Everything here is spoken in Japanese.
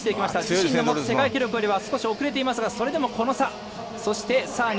自身が持つ世界記録よりは少し遅れていますがそれでもこの差。